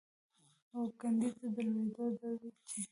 او کندې ته د لوېدو ده چې